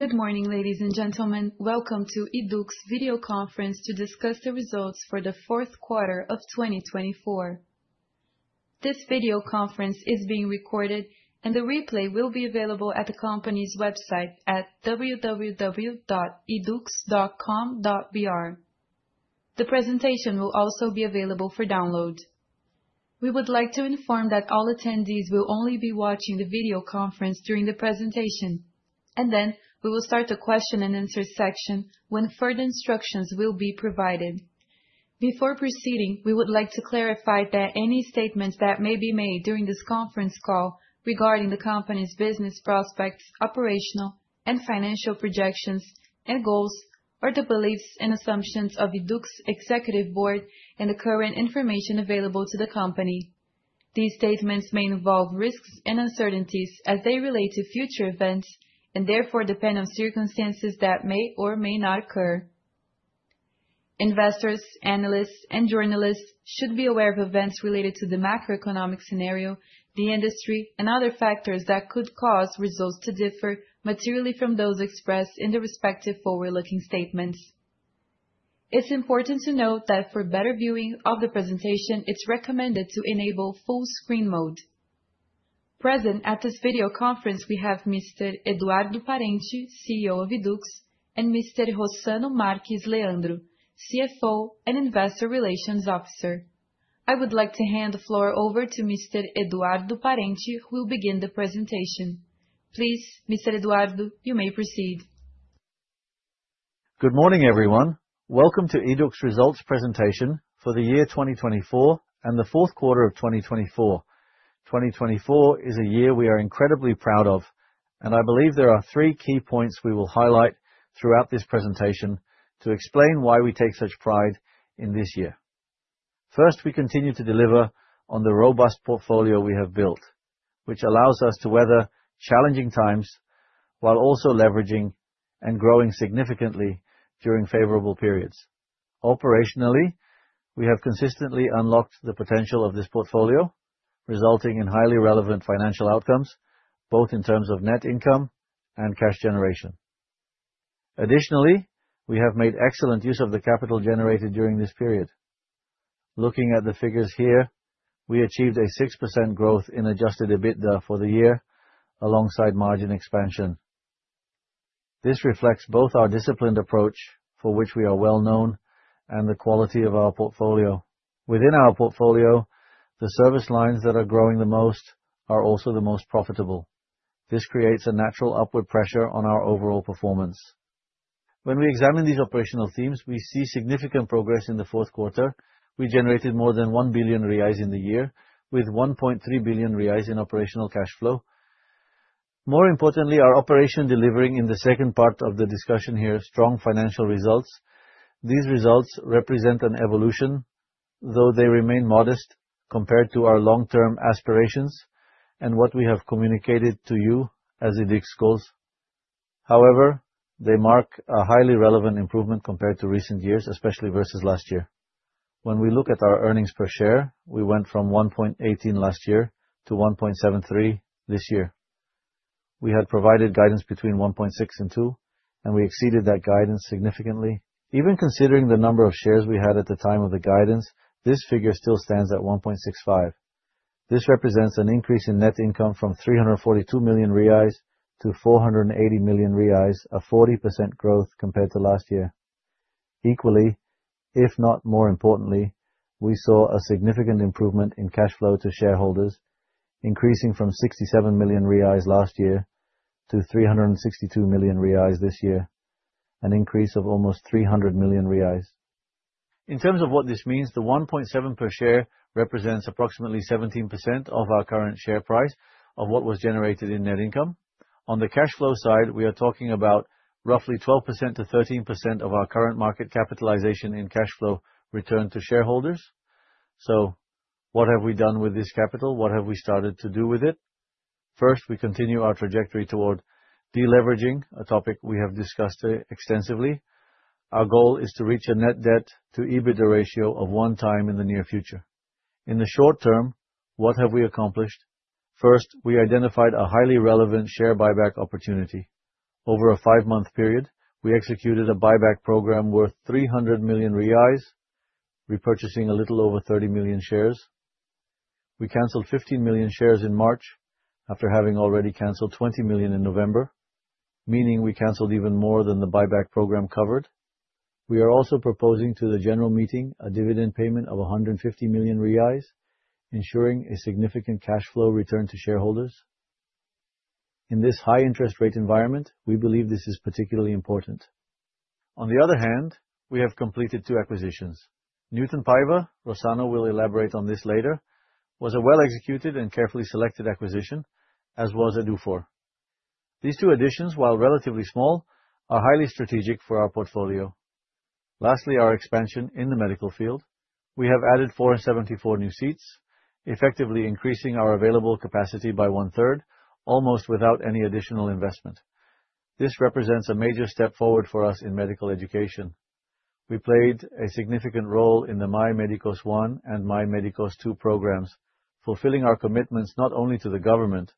Good morning, ladies and gentlemen. Welcome to YDUQS video conference to discuss the results for the fourth quarter of 2024. This video conference is being recorded, and the replay will be available at the company's website at www.yduqs.com.br. The presentation will also be available for download. We would like to inform that all attendees will only be watching the video conference during the presentation, and then we will start the question-and-answer section when further instructions will be provided. Before proceeding, we would like to clarify that any statements that may be made during this conference call regarding the company's business prospects, operational and financial projections, and goals, are the beliefs and assumptions of YDUQS Executive Board and the current information available to the company. These statements may involve risks and uncertainties as they relate to future events and therefore depend on circumstances that may or may not occur. Investors, analysts, and journalists should be aware of events related to the macroeconomic scenario, the industry, and other factors that could cause results to differ materially from those expressed in the respective forward-looking statements. It's important to note that for better viewing of the presentation, it's recommended to enable full-screen mode. Present at this video conference, we have Mr. Eduardo Parente, CEO of YDUQS, and Mr. Rossano Marques Leandro, CFO and Investor Relations Officer. I would like to hand the floor over to Mr. Eduardo Parente, who will begin the presentation. Please, Mr. Eduardo, you may proceed. Good morning, everyone. Welcome to YDUQS' results presentation for the year 2024 and the fourth quarter of 2024. 2024 is a year we are incredibly proud of, and I believe there are three key points we will highlight throughout this presentation to explain why we take such pride in this year. First, we continue to deliver on the robust portfolio we have built, which allows us to weather challenging times while also leveraging and growing significantly during favorable periods. Operationally, we have consistently unlocked the potential of this portfolio, resulting in highly relevant financial outcomes, both in terms of net income and cash generation. Additionally, we have made excellent use of the capital generated during this period. Looking at the figures here, we achieved a 6% growth in adjusted EBITDA for the year, alongside margin expansion. This reflects both our disciplined approach, for which we are well-known, and the quality of our portfolio. Within our portfolio, the service lines that are growing the most are also the most profitable. This creates a natural upward pressure on our overall performance. When we examine these operational themes, we see significant progress in the fourth quarter. We generated more than 1 billion reais in the year, with 1.3 billion reais in operational cash flow. More importantly, our operation delivering in the second part of the discussion here strong financial results. These results represent an evolution, though they remain modest compared to our long-term aspirations and what we have communicated to you as YDUQS' goals. However, they mark a highly relevant improvement compared to recent years, especially versus last year. When we look at our earnings per share, we went from 1.18 last year to 1.73 this year. We had provided guidance between 1.6 and 2, and we exceeded that guidance significantly. Even considering the number of shares we had at the time of the guidance, this figure still stands at 1.65. This represents an increase in net income from 342 million reais to 480 million reais, a 40% growth compared to last year. Equally, if not more importantly, we saw a significant improvement in cash flow to shareholders, increasing from 67 million reais last year to 362 million reais this year, an increase of almost 300 million reais. In terms of what this means, the 1.7 per share represents approximately 17% of our current share price of what was generated in net income. On the cash flow side, we are talking about roughly 12% to 13% of our current market capitalization in cash flow returned to shareholders. What have we done with this capital? What have we started to do with it? First, we continue our trajectory toward deleveraging, a topic we have discussed extensively. Our goal is to reach a net debt-to-EBITDA ratio of one time in the near future. In the short term, what have we accomplished? First, we identified a highly relevant share buyback opportunity. Over a five-month period, we executed a buyback program worth 300 million reais, repurchasing a little over 30 million shares. We canceled 15 million shares in March after having already canceled 20 million in November, meaning we canceled even more than the buyback program covered. We are also proposing to the general meeting a dividend payment of 150 million reais, ensuring a significant cash flow return to shareholders. In this high-interest rate environment, we believe this is particularly important. On the other hand, we have completed two acquisitions. Newton Paiva, Rossano will elaborate on this later, was a well-executed and carefully selected acquisition, as was Edufor. These two additions, while relatively small, are highly strategic for our portfolio. Lastly, our expansion in the medical field. We have added 474 new seats, effectively increasing our available capacity by one-third, almost without any additional investment. This represents a major step forward for us in medical education. We played a significant role in the Mais Médicos 1 and Mais Médicos 2 programs, fulfilling our commitments not only to the government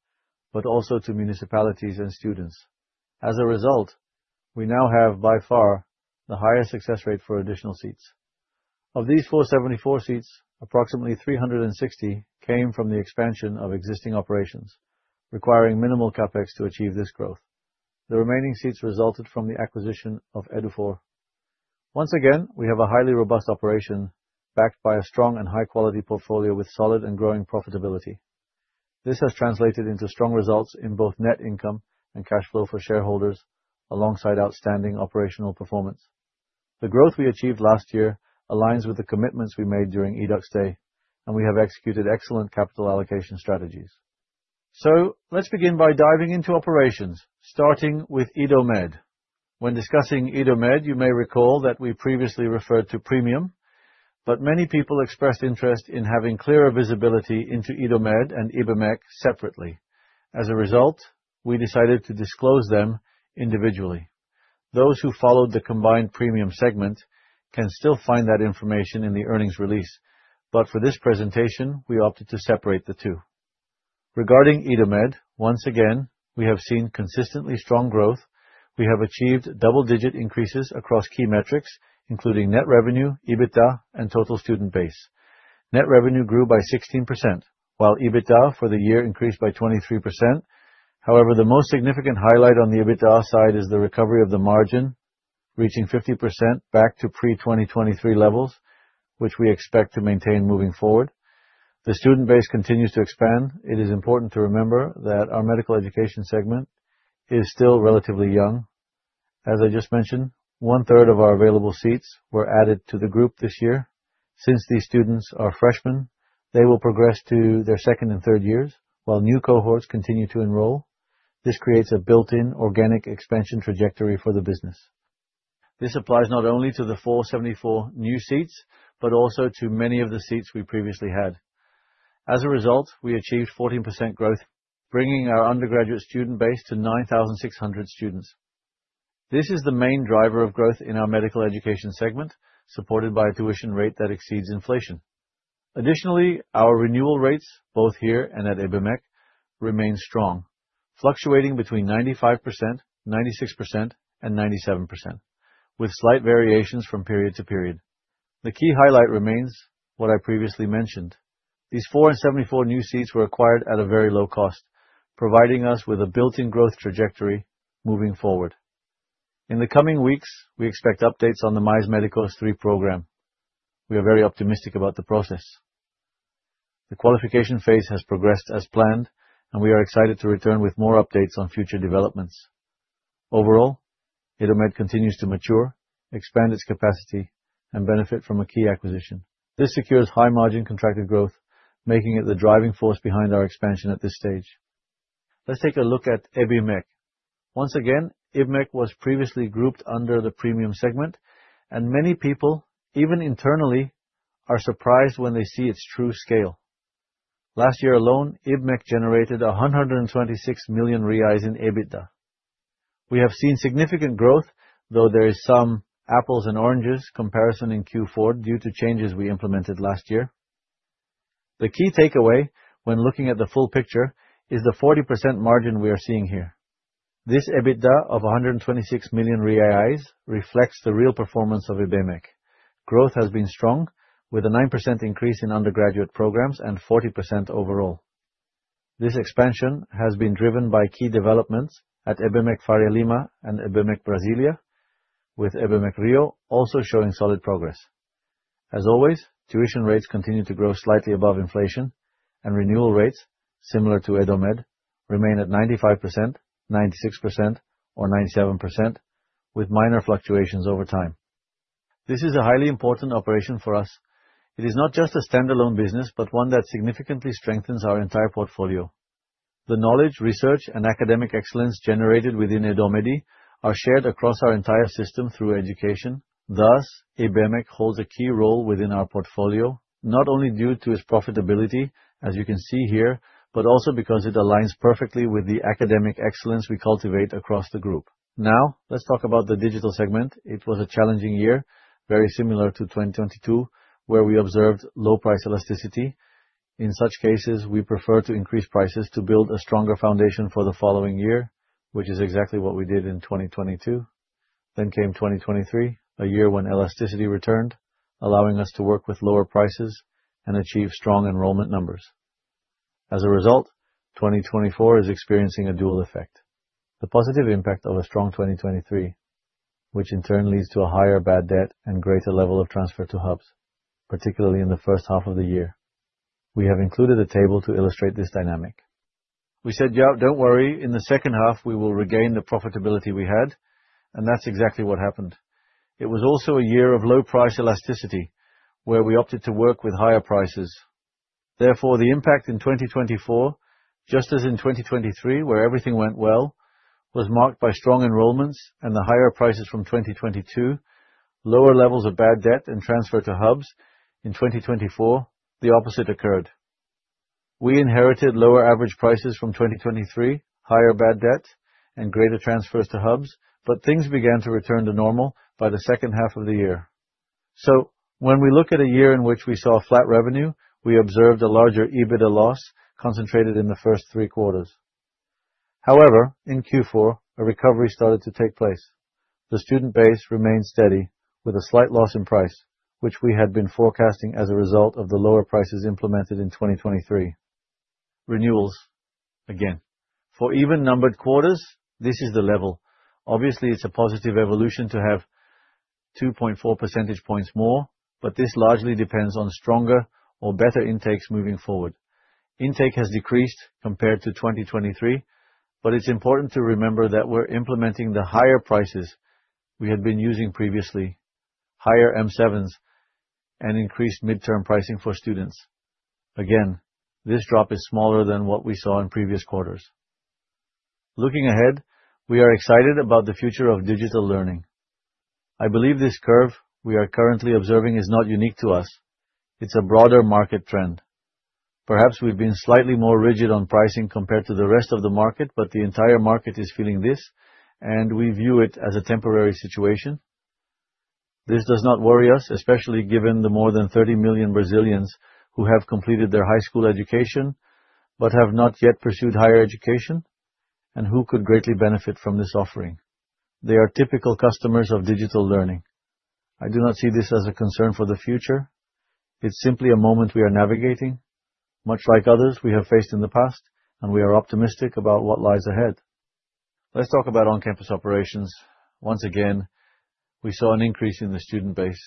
but also to municipalities and students. As a result, we now have, by far, the highest success rate for additional seats. Of these 474 seats, approximately 360 came from the expansion of existing operations, requiring minimal CapEx to achieve this growth. The remaining seats resulted from the acquisition of Edufor. Once again, we have a highly robust operation backed by a strong and high-quality portfolio with solid and growing profitability. This has translated into strong results in both net income and cash flow for shareholders, alongside outstanding operational performance. The growth we achieved last year aligns with the commitments we made during YDUQS Day, and we have executed excellent capital allocation strategies. Let's begin by diving into operations, starting with IDOMED. When discussing IDOMED, you may recall that we previously referred to Premium, but many people expressed interest in having clearer visibility into IDOMED and IBMEC separately. As a result, we decided to disclose them individually. Those who followed the combined Premium segment can still find that information in the earnings release, but for this presentation, we opted to separate the two. Regarding IDOMED, once again, we have seen consistently strong growth. We have achieved double-digit increases across key metrics, including net revenue, EBITDA, and total student base. Net revenue grew by 16%, while EBITDA for the year increased by 23%. However, the most significant highlight on the EBITDA side is the recovery of the margin, reaching 50% back to pre-2023 levels, which we expect to maintain moving forward. The student base continues to expand. It is important to remember that our medical education segment is still relatively young. As I just mentioned, one-third of our available seats were added to the group this year. Since these students are freshmen, they will progress to their second and third years, while new cohorts continue to enroll. This creates a built-in organic expansion trajectory for the business. This applies not only to the 474 new seats but also to many of the seats we previously had. As a result, we achieved 14% growth, bringing our undergraduate student base to 9,600 students. This is the main driver of growth in our medical education segment, supported by a tuition rate that exceeds inflation. Additionally, our renewal rates, both here and at IBMEC, remain strong, fluctuating between 95%, 96%, and 97%, with slight variations from period to period. The key highlight remains what I previously mentioned. These 474 new seats were acquired at a very low cost, providing us with a built-in growth trajectory moving forward. In the coming weeks, we expect updates on the Mais Médicos 3 program. We are very optimistic about the process. The qualification phase has progressed as planned, and we are excited to return with more updates on future developments. Overall, IDOMED continues to mature, expand its capacity, and benefit from a key acquisition. This secures high-margin contracted growth, making it the driving force behind our expansion at this stage. Let's take a look at IBMEC. Once again, IBMEC was previously grouped under the Premium segment, and many people, even internally, are surprised when they see its true scale. Last year alone, IBMEC generated 126 million reais in EBITDA. We have seen significant growth, though there is some apples and oranges comparison in Q4 due to changes we implemented last year. The key takeaway, when looking at the full picture, is the 40% margin we are seeing here. This EBITDA of 126 million reais reflects the real performance of IBMEC. Growth has been strong, with a 9% increase in undergraduate programs and 40% overall. This expansion has been driven by key developments at IBMEC Faria Lima and IBMEC Brasilia, with IBMEC Rio also showing solid progress. As always, tuition rates continue to grow slightly above inflation, and renewal rates, similar to IDOMED, remain at 95%, 96%, or 97%, with minor fluctuations over time. This is a highly important operation for us. It is not just a standalone business but one that significantly strengthens our entire portfolio. The knowledge, research, and academic excellence generated within IDOMED are shared across our entire system through education. Thus, IBMEC holds a key role within our portfolio, not only due to its profitability, as you can see here, but also because it aligns perfectly with the academic excellence we cultivate across the group. Now, let's talk about the digital segment. It was a challenging year, very similar to 2022, where we observed low price elasticity. In such cases, we prefer to increase prices to build a stronger foundation for the following year, which is exactly what we did in 2022. 2023 came, a year when elasticity returned, allowing us to work with lower prices and achieve strong enrollment numbers. As a result, 2024 is experiencing a dual effect: the positive impact of a strong 2023, which in turn leads to a higher bad debt and greater level of transfer to hubs, particularly in the first half of the year. We have included a table to illustrate this dynamic. We said, "Yeah, don't worry, in the second half we will regain the profitability we had," and that's exactly what happened. It was also a year of low price elasticity, where we opted to work with higher prices. Therefore, the impact in 2024, just as in 2023 where everything went well, was marked by strong enrollments and the higher prices from 2022, lower levels of bad debt and transfer to hubs. In 2024, the opposite occurred. We inherited lower average prices from 2023, higher bad debt, and greater transfers to hubs, but things began to return to normal by the second half of the year. When we look at a year in which we saw flat revenue, we observed a larger EBITDA loss concentrated in the first three quarters. However, in Q4, a recovery started to take place. The student base remained steady, with a slight loss in price, which we had been forecasting as a result of the lower prices implemented in 2023. Renewals again. For even-numbered quarters, this is the level. Obviously, it's a positive evolution to have 2.4 percentage points more, but this largely depends on stronger or better intakes moving forward. Intake has decreased compared to 2023, but it's important to remember that we're implementing the higher prices we had been using previously, higher M7s, and increased midterm pricing for students. Again, this drop is smaller than what we saw in previous quarters. Looking ahead, we are excited about the future of digital learning. I believe this curve we are currently observing is not unique to us; it's a broader market trend. Perhaps we've been slightly more rigid on pricing compared to the rest of the market, but the entire market is feeling this, and we view it as a temporary situation. This does not worry us, especially given the more than 30 million Brazilians who have completed their high school education but have not yet pursued higher education and who could greatly benefit from this offering. They are typical customers of digital learning. I do not see this as a concern for the future; it's simply a moment we are navigating, much like others we have faced in the past, and we are optimistic about what lies ahead. Let's talk about on-campus operations. Once again, we saw an increase in the student base.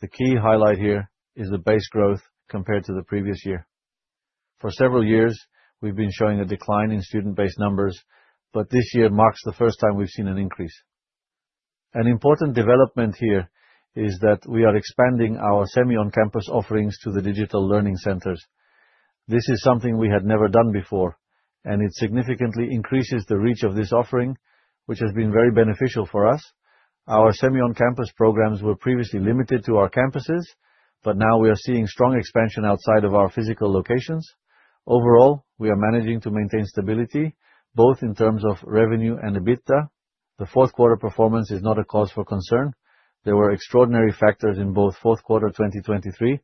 The key highlight here is the base growth compared to the previous year. For several years, we've been showing a decline in student base numbers, but this year marks the first time we've seen an increase. An important development here is that we are expanding our semi-on-campus offerings to the digital learning centers. This is something we had never done before, and it significantly increases the reach of this offering, which has been very beneficial for us. Our semi-on-campus programs were previously limited to our campuses, but now we are seeing strong expansion outside of our physical locations. Overall, we are managing to maintain stability, both in terms of revenue and EBITDA. The fourth quarter performance is not a cause for concern. There were extraordinary factors in both fourth quarter 2023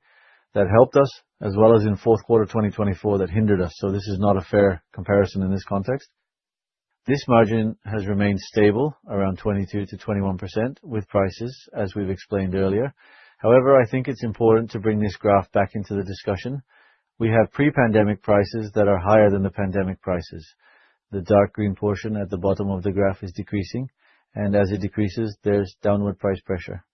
that helped us, as well as in fourth quarter 2024 that hindered us, so this is not a fair comparison in this context. This margin has remained stable, around 22-21%, with prices, as we've explained earlier. However, I think it's important to bring this graph back into the discussion. We have pre-pandemic prices that are higher than the pandemic prices. The dark green portion at the bottom of the graph is decreasing, and as it decreases, there's downward price pressure.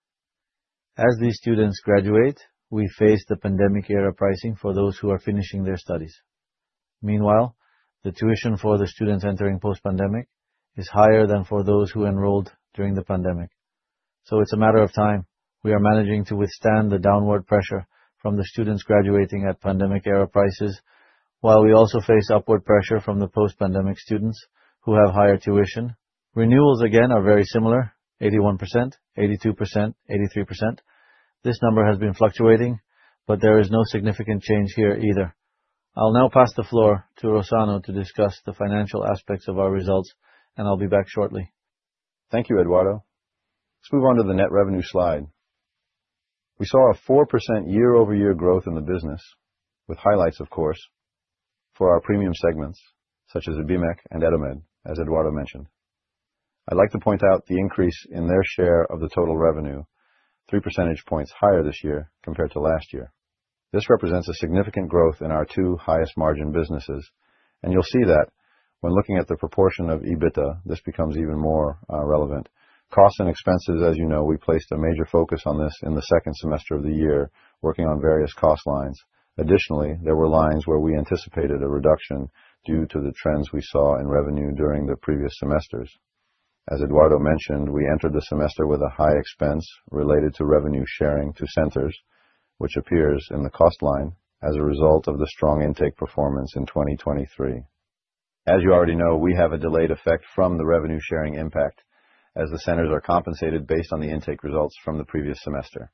As these students graduate, we face the pandemic-era pricing for those who are finishing their studies. Meanwhile, the tuition for the students entering post-pandemic is higher than for those who enrolled during the pandemic. It's a matter of time. We are managing to withstand the downward pressure from the students graduating at pandemic-era prices, while we also face upward pressure from the post-pandemic students who have higher tuition. Renewals again are very similar: 81%, 82%, 83%. This number has been fluctuating, but there is no significant change here either. I'll now pass the floor to Rossano to discuss the financial aspects of our results, and I'll be back shortly. Thank you, Eduardo. Let's move on to the net revenue slide. We saw a 4% year-over-year growth in the business, with highlights, of course, for our Premium segments, such as IBMEC and IDOMED, as Eduardo mentioned. I'd like to point out the increase in their share of the total revenue, 3 percentage points higher this year compared to last year. This represents a significant growth in our two highest-margin businesses, and you'll see that when looking at the proportion of EBITDA, this becomes even more relevant. Costs and expenses, as you know, we placed a major focus on this in the second semester of the year, working on various cost lines. Additionally, there were lines where we anticipated a reduction due to the trends we saw in revenue during the previous semesters. As Eduardo mentioned, we entered the semester with a high expense related to revenue sharing to centers, which appears in the cost line as a result of the strong intake performance in 2023. As you already know, we have a delayed effect from the revenue sharing impact, as the centers are compensated based on the intake results from the previous semester.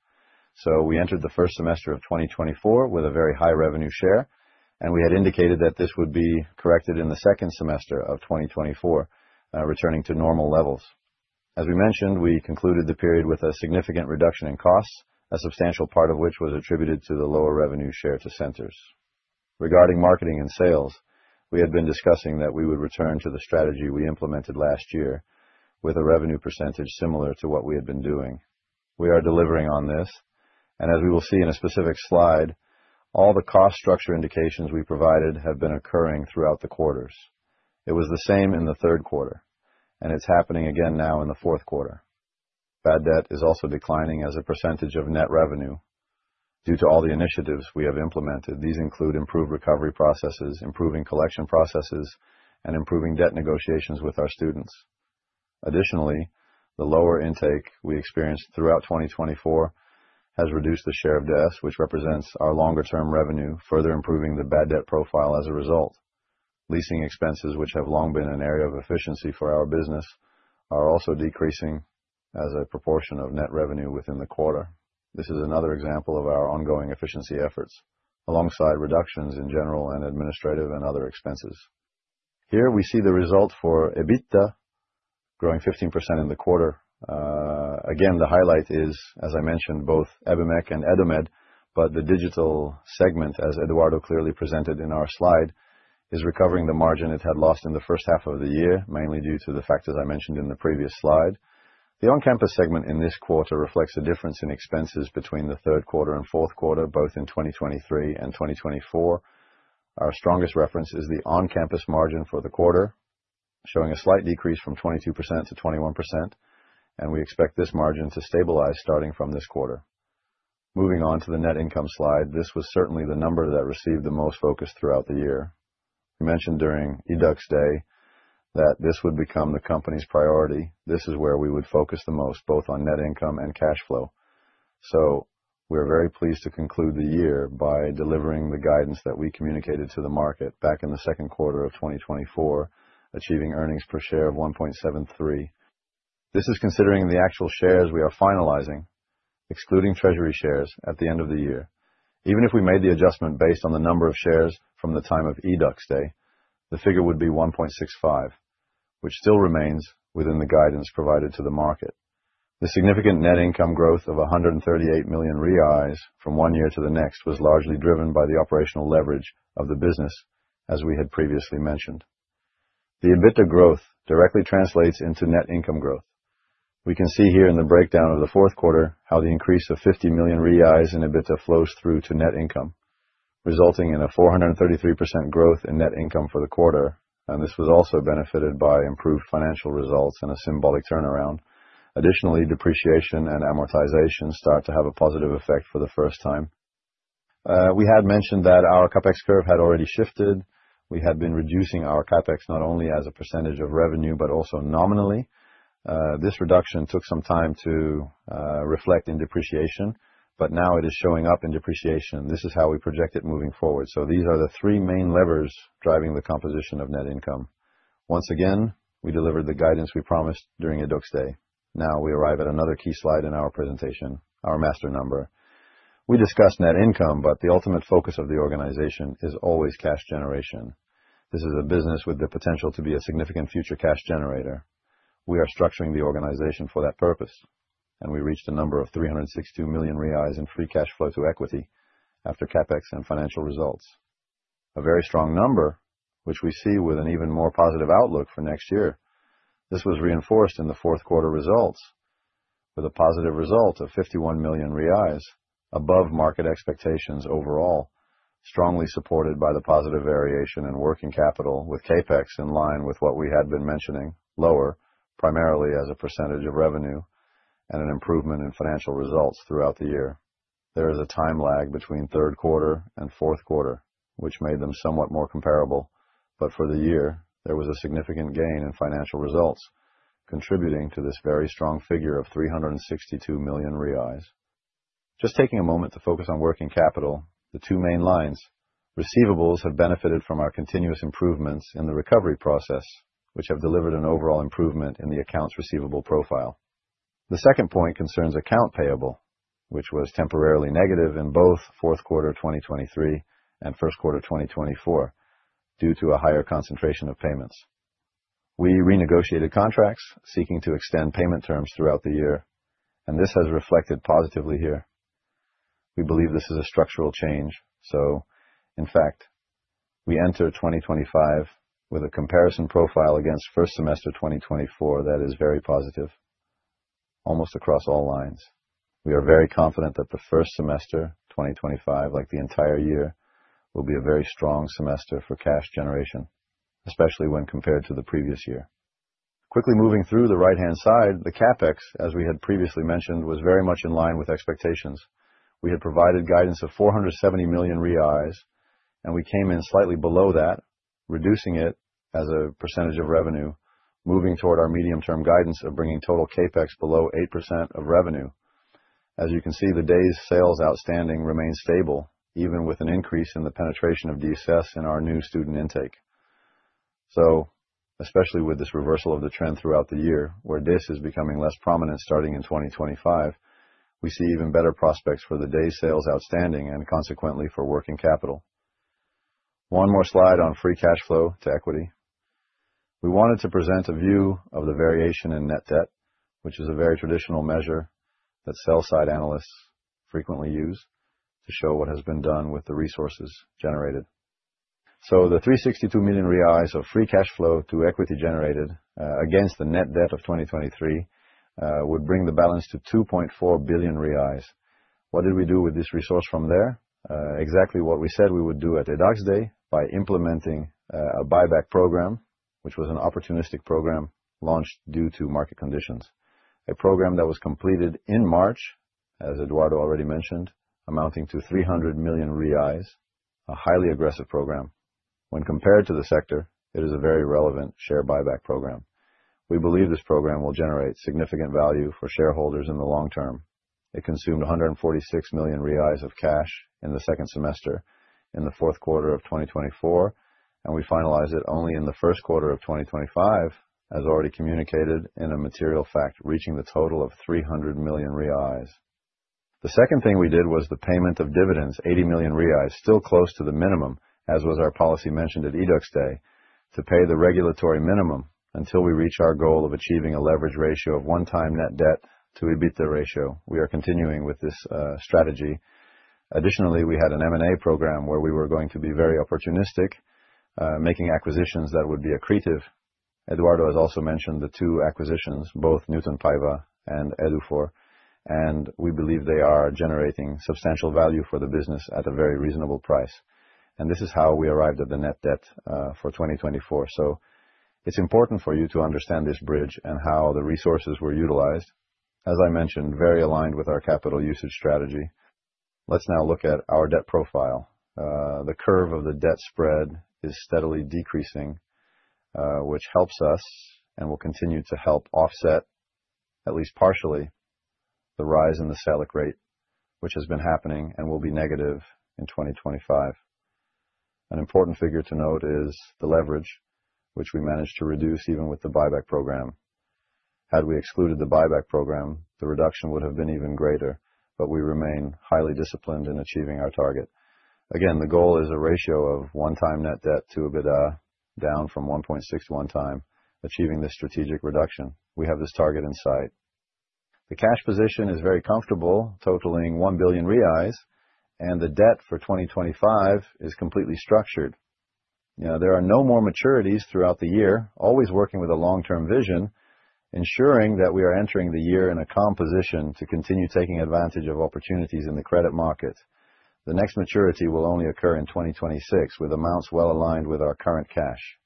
We entered the first semester of 2024 with a very high revenue share, and we had indicated that this would be corrected in the second semester of 2024, returning to normal levels. As we mentioned, we concluded the period with a significant reduction in costs, a substantial part of which was attributed to the lower revenue share to centers. Regarding marketing and sales, we had been discussing that we would return to the strategy we implemented last year, with a revenue percentage similar to what we had been doing. We are delivering on this, and as we will see in a specific slide, all the cost structure indications we provided have been occurring throughout the quarters. It was the same in the third quarter, and it is happening again now in the fourth quarter. Bad debt is also declining as a percentage of net revenue due to all the initiatives we have implemented. These include improved recovery processes, improving collection processes, and improving debt negotiations with our students. Additionally, the lower intake we experienced throughout 2024 has reduced the share of debts, which represents our longer-term revenue, further improving the bad debt profile as a result. Leasing expenses, which have long been an area of efficiency for our business, are also decreasing as a proportion of net revenue within the quarter. This is another example of our ongoing efficiency efforts, alongside reductions in general and administrative and other expenses. Here we see the result for EBITDA growing 15% in the quarter. Again, the highlight is, as I mentioned, both IBMEC and IDOMED, but the digital segment, as Eduardo clearly presented in our slide, is recovering the margin it had lost in the first half of the year, mainly due to the factors I mentioned in the previous slide. The on-campus segment in this quarter reflects a difference in expenses between the third quarter and fourth quarter, both in 2023 and 2024. Our strongest reference is the on-campus margin for the quarter, showing a slight decrease from 22% to 21%, and we expect this margin to stabilize starting from this quarter. Moving on to the net income slide, this was certainly the number that received the most focus throughout the year. We mentioned during YDUQS Day that this would become the company's priority. This is where we would focus the most, both on net income and cash flow. We're very pleased to conclude the year by delivering the guidance that we communicated to the market back in the second quarter of 2024, achieving earnings per share of 1.73. This is considering the actual shares we are finalizing, excluding treasury shares, at the end of the year. Even if we made the adjustment based on the number of shares from the time of YDUQS Day, the figure would be 1.65, which still remains within the guidance provided to the market. The significant net income growth of 138 million reais from one year to the next was largely driven by the operational leverage of the business, as we had previously mentioned. The EBITDA growth directly translates into net income growth. We can see here in the breakdown of the fourth quarter how the increase of 50 million reais in EBITDA flows through to net income, resulting in a 433% growth in net income for the quarter, and this was also benefited by improved financial results and a symbolic turnaround. Additionally, depreciation and amortization start to have a positive effect for the first time. We had mentioned that our CapEx curve had already shifted. We had been reducing our CapEx not only as a percentage of revenue but also nominally. This reduction took some time to reflect in depreciation, but now it is showing up in depreciation. This is how we project it moving forward. These are the three main levers driving the composition of net income. Once again, we delivered the guidance we promised during YDUQS Day. Now, we arrive at another key slide in our presentation, our master number. We discussed net income, but the ultimate focus of the organization is always cash generation. This is a business with the potential to be a significant future cash generator. We are structuring the organization for that purpose, and we reached a number of 362 million reais in free cash flow to equity after CapEx and financial results. A very strong number, which we see with an even more positive outlook for next year. This was reinforced in the fourth quarter results, with a positive result of 51 million reais, above market expectations overall, strongly supported by the positive variation in working capital, with CapEx in line with what we had been mentioning, lower, primarily as a percentage of revenue and an improvement in financial results throughout the year. There is a time lag between third quarter and fourth quarter, which made them somewhat more comparable, but for the year, there was a significant gain in financial results, contributing to this very strong figure of 362 million reais. Just taking a moment to focus on working capital, the two main lines. Receivables have benefited from our continuous improvements in the recovery process, which have delivered an overall improvement in the accounts receivable profile. The second point concerns account payable, which was temporarily negative in both fourth quarter 2023 and first quarter 2024 due to a higher concentration of payments. We renegotiated contracts, seeking to extend payment terms throughout the year, and this has reflected positively here. We believe this is a structural change, so, in fact, we enter 2025 with a comparison profile against first semester 2024 that is very positive, almost across all lines. We are very confident that the first semester 2025, like the entire year, will be a very strong semester for cash generation, especially when compared to the previous year. Quickly moving through the right-hand side, the CapEx, as we had previously mentioned, was very much in line with expectations. We had provided guidance of 470 million reais, and we came in slightly below that, reducing it as a percentage of revenue, moving toward our medium-term guidance of bringing total CapEx below 8% of revenue. As you can see, the days sales outstanding remains stable, even with an increase in the penetration of DIS in our new student intake. Especially with this reversal of the trend throughout the year, where DIS is becoming less prominent starting in 2025, we see even better prospects for the days sales outstanding and, consequently, for working capital. One more slide on free cash flow to equity. We wanted to present a view of the variation in net debt, which is a very traditional measure that sell-side analysts frequently use to show what has been done with the resources generated. The 362 million reais of free cash flow to equity generated against the net debt of 2023 would bring the balance to 2.4 billion reais. What did we do with this resource from there? Exactly what we said we would do at YDUQS Day by implementing a buyback program, which was an opportunistic program launched due to market conditions. A program that was completed in March, as Eduardo already mentioned, amounting to 300 million reais, a highly aggressive program. When compared to the sector, it is a very relevant share buyback program. We believe this program will generate significant value for shareholders in the long term. It consumed 146 million reais of cash in the second semester in the fourth quarter of 2024, and we finalized it only in the first quarter of 2025, as already communicated in a material fact, reaching the total of 300 million reais. The second thing we did was the payment of dividends, 80 million reais, still close to the minimum, as was our policy mentioned at YDUQS Day, to pay the regulatory minimum until we reach our goal of achieving a leverage ratio of one-time net debt-to-EBITDA ratio. We are continuing with this strategy. Additionally, we had an M&A program where we were going to be very opportunistic, making acquisitions that would be accretive. Eduardo has also mentioned the two acquisitions, both Newton Paiva and Edufor, and we believe they are generating substantial value for the business at a very reasonable price. This is how we arrived at the net debt for 2024. It is important for you to understand this bridge and how the resources were utilized. As I mentioned, very aligned with our capital usage strategy. Let's now look at our debt profile. The curve of the debt spread is steadily decreasing, which helps us and will continue to help offset, at least partially, the rise in the Selic rate, which has been happening and will be negative in 2025. An important figure to note is the leverage, which we managed to reduce even with the buyback program. Had we excluded the buyback program, the reduction would have been even greater, but we remain highly disciplined in achieving our target. Again, the goal is a ratio of one-time net debt to EBITDA down from 1.61 time, achieving this strategic reduction. We have this target in sight. The cash position is very comfortable, totaling 1 billion reais, and the debt for 2025 is completely structured. There are no more maturities throughout the year, always working with a long-term vision, ensuring that we are entering the year in a calm position to continue taking advantage of opportunities in the credit market. The next maturity will only occur in 2026, with amounts well aligned with our current cash.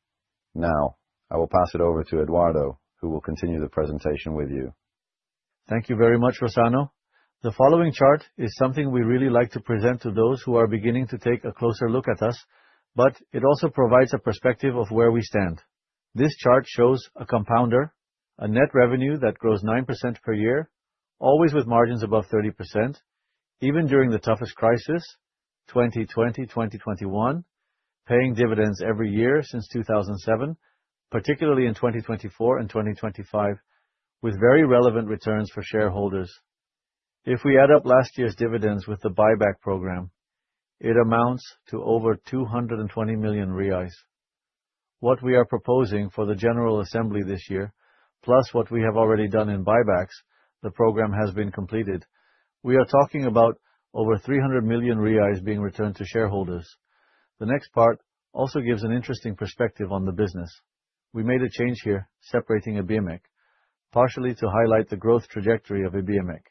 Now, I will pass it over to Eduardo, who will continue the presentation with you. Thank you very much, Rossano. The following chart is something we really like to present to those who are beginning to take a closer look at us, but it also provides a perspective of where we stand. This chart shows a compounder, a net revenue that grows 9% per year, always with margins above 30%, even during the toughest crisis, 2020-2021, paying dividends every year since 2007, particularly in 2024 and 2025, with very relevant returns for shareholders. If we add up last year's dividends with the buyback program, it amounts to over 220 million reais. What we are proposing for the General Assembly this year, plus what we have already done in buybacks, the program has been completed. We are talking about over 300 million being returned to shareholders. The next part also gives an interesting perspective on the business. We made a change here, separating IBMEC, partially to highlight the growth trajectory of IBMEC.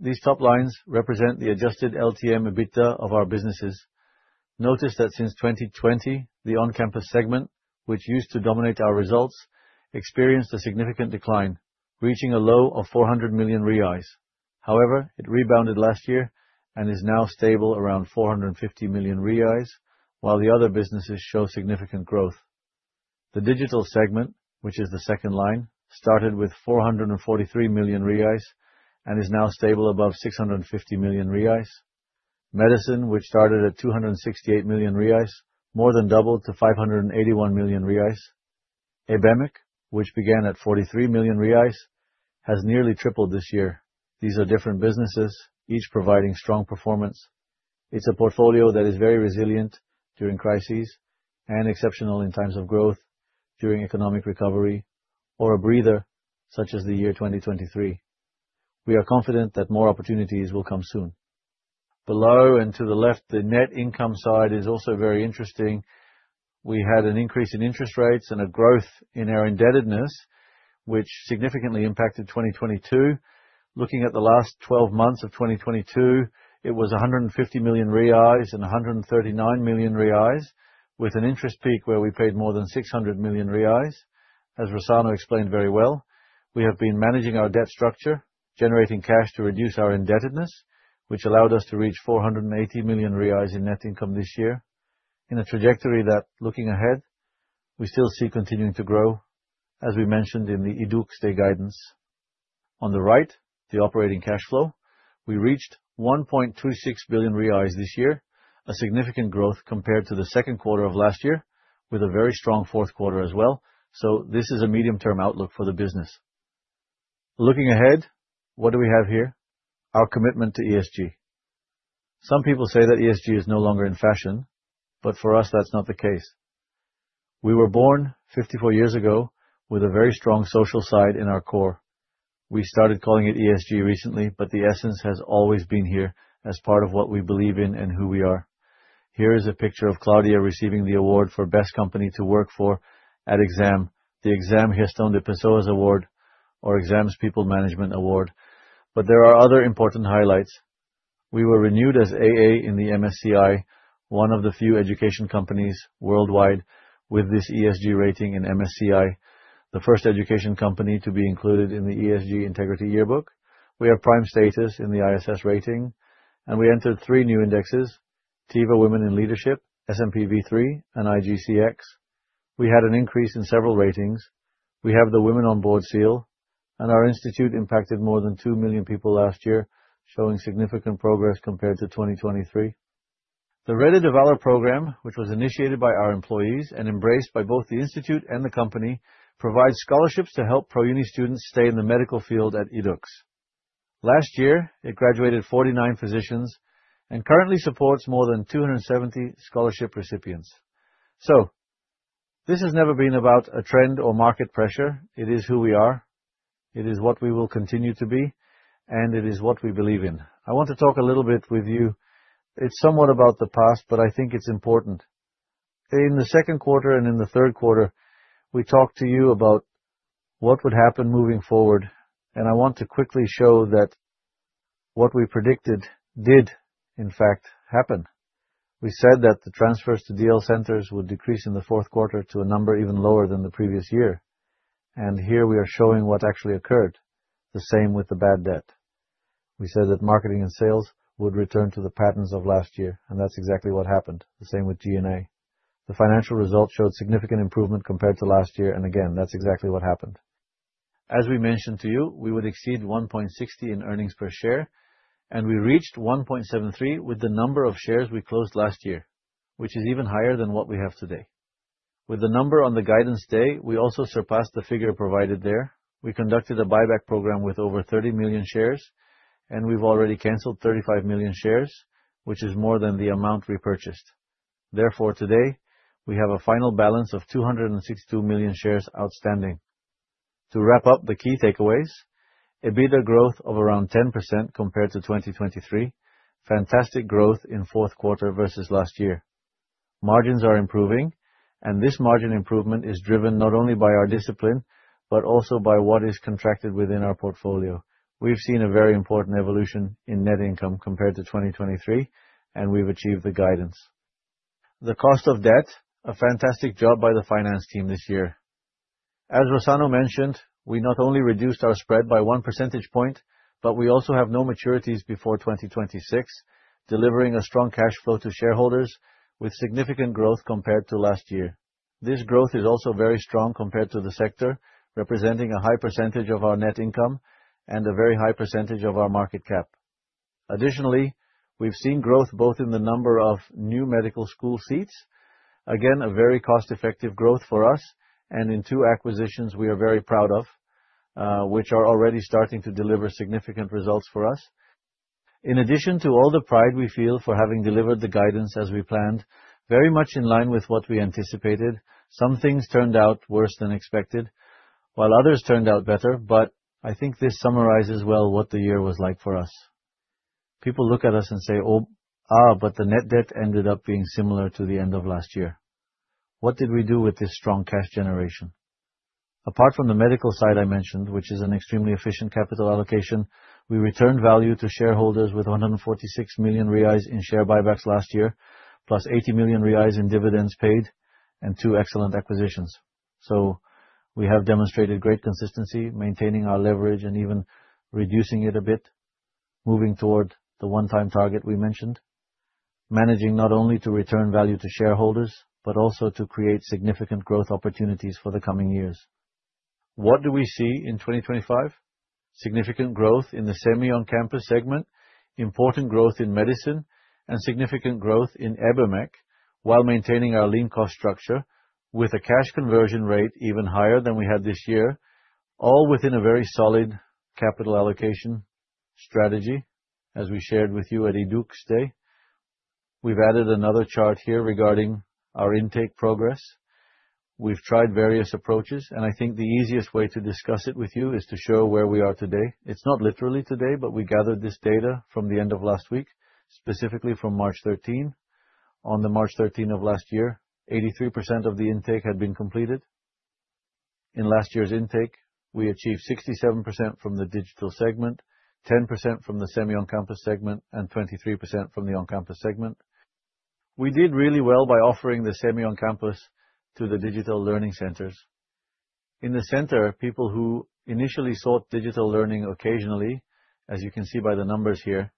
These top lines represent the adjusted LTM EBITDA of our businesses. Notice that since 2020, the on-campus segment, which used to dominate our results, experienced a significant decline, reaching a low of 400 million reais. However, it rebounded last year and is now stable around 450 million reais, while the other businesses show significant growth. The digital segment, which is the second line, started with 443 million reais and is now stable above 650 million reais. Medicine, which started at 268 million reais, more than doubled to 581 million reais. IBMEC, which began at 43 million reais, has nearly tripled this year. These are different businesses, each providing strong performance. It's a portfolio that is very resilient during crises and exceptional in times of growth, during economic recovery, or a breather such as the year 2023. We are confident that more opportunities will come soon. Below and to the left, the net income side is also very interesting. We had an increase in interest rates and a growth in our indebtedness, which significantly impacted 2022. Looking at the last 12 months of 2022, it was 150 million reais and 139 million reais, with an interest peak where we paid more than 600 million reais. As Rossano explained very well, we have been managing our debt structure, generating cash to reduce our indebtedness, which allowed us to reach 480 million reais in net income this year, in a trajectory that, looking ahead, we still see continuing to grow, as we mentioned in the YDUQS Day guidance. On the right, the operating cash flow, we reached 1.26 billion reais this year, a significant growth compared to the second quarter of last year, with a very strong fourth quarter as well. This is a medium-term outlook for the business. Looking ahead, what do we have here? Our commitment to ESG. Some people say that ESG is no longer in fashion, but for us, that's not the case. We were born 54 years ago with a very strong social side in our core. We started calling it ESG recently, but the essence has always been here as part of what we believe in and who we are. Here is a picture of Claudia receiving the award for Best Company to Work for at Exame, the Exame Gestão de Pessoas Award, or Exame's People Management Award. There are other important highlights. We were renewed as AA in the MSCI, one of the few education companies worldwide with this ESG rating in MSCI, the first education company to be included in the ESG Integrity Yearbook. We have prime status in the ISS rating, and we entered three new indexes: Teva Women in Leadership, S&P B3, and IGCX. We had an increase in several ratings. We have the Women on Board seal, and our institute impacted more than 2 million people last year, showing significant progress compared to 2023. The Rede de Valor program, which was initiated by our employees and embraced by both the institute and the company, provides scholarships to help ProUni students stay in the medical field at YDUQS. Last year, it graduated 49 physicians and currently supports more than 270 scholarship recipients. This has never been about a trend or market pressure. It is who we are. It is what we will continue to be, and it is what we believe in. I want to talk a little bit with you. It is somewhat about the past, but I think it is important. In the second quarter and in the third quarter, we talked to you about what would happen moving forward, and I want to quickly show that what we predicted did, in fact, happen. We said that the transfers to DL centers would decrease in the fourth quarter to a number even lower than the previous year, and here we are showing what actually occurred, the same with the bad debt. We said that marketing and sales would return to the patterns of last year, and that's exactly what happened, the same with G&A. The financial result showed significant improvement compared to last year, and again, that's exactly what happened. As we mentioned to you, we would exceed $1.60 in earnings per share, and we reached $1.73 with the number of shares we closed last year, which is even higher than what we have today. With the number on the guidance day, we also surpassed the figure provided there. We conducted a buyback program with over 30 million shares, and we've already canceled 35 million shares, which is more than the amount repurchased. Therefore, today, we have a final balance of 262 million shares outstanding. To wrap up the key takeaways, EBITDA growth of around 10% compared to 2023, fantastic growth in fourth quarter versus last year. Margins are improving, and this margin improvement is driven not only by our discipline but also by what is contracted within our portfolio. We've seen a very important evolution in net income compared to 2023, and we've achieved the guidance. The cost of debt, a fantastic job by the finance team this year. As Rossano mentioned, we not only reduced our spread by 1 percentage point, but we also have no maturities before 2026, delivering a strong cash flow to shareholders with significant growth compared to last year. This growth is also very strong compared to the sector, representing a high percentage of our net income and a very high percentage of our market cap. Additionally, we've seen growth both in the number of new medical school seats, again a very cost-effective growth for us, and in two acquisitions we are very proud of, which are already starting to deliver significant results for us. In addition to all the pride we feel for having delivered the guidance as we planned, very much in line with what we anticipated, some things turned out worse than expected, while others turned out better, but I think this summarizes well what the year was like for us. People look at us and say, "Oh, but the net debt ended up being similar to the end of last year. What did we do with this strong cash generation?" Apart from the medical side I mentioned, which is an extremely efficient capital allocation, we returned value to shareholders with 146 million reais in share buybacks last year, plus 80 million reais in dividends paid and two excellent acquisitions. We have demonstrated great consistency, maintaining our leverage and even reducing it a bit, moving toward the one-time target we mentioned, managing not only to return value to shareholders but also to create significant growth opportunities for the coming years. What do we see in 2025? Significant growth in the semi-on-campus segment, important growth in medicine, and significant growth in IBMEC while maintaining our lean cost structure, with a cash conversion rate even higher than we had this year, all within a very solid capital allocation strategy, as we shared with you at YDUQS Day. We've added another chart here regarding our intake progress. We've tried various approaches, and I think the easiest way to discuss it with you is to show where we are today. It's not literally today, but we gathered this data from the end of last week, specifically from March 13. On March 13 of last year, 83% of the intake had been completed. In last year's intake, we achieved 67% from the digital segment, 10% from the semi-on-campus segment, and 23% from the on-campus segment. We did really well by offering the semi-on-campus to the digital learning centers. In the center, people who initially sought digital learning occasionally, as you can see by the numbers here,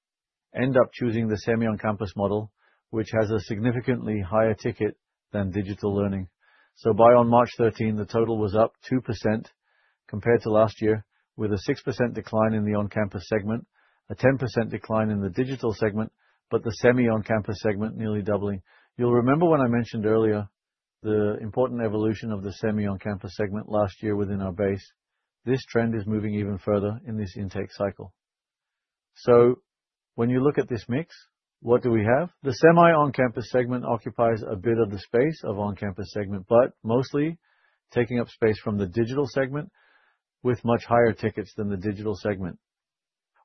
end up choosing the semi-on-campus model, which has a significantly higher ticket than digital learning. By March 13, the total was up 2% compared to last year, with a 6% decline in the on-campus segment, a 10% decline in the digital segment, but the semi-on-campus segment nearly doubling. You'll remember when I mentioned earlier the important evolution of the semi-on-campus segment last year within our base. This trend is moving even further in this intake cycle. When you look at this mix, what do we have? The semi-on-campus segment occupies a bit of the space of the on-campus segment, but mostly taking up space from the digital segment with much higher tickets than the digital segment.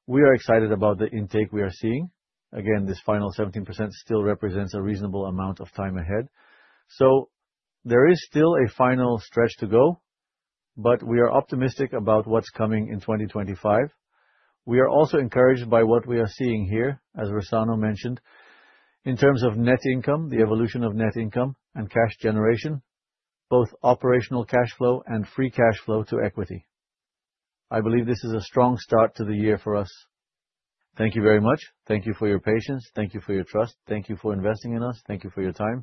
We are excited about the intake we are seeing. Again, this final 17% still represents a reasonable amount of time ahead. There is still a final stretch to go, but we are optimistic about what's coming in 2025. We are also encouraged by what we are seeing here, as Rossano mentioned, in terms of net income, the evolution of net income and cash generation, both operational cash flow and free cash flow to equity. I believe this is a strong start to the year for us. Thank you very much. Thank you for your patience. Thank you for your trust. Thank you for investing in us. Thank you for your time.